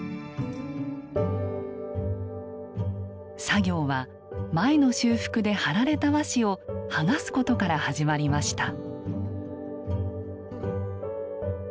作業は前の修復で貼られた和紙を剥がすことから始まりました。